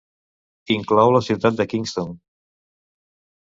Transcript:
Inclou la ciutat de Kingston.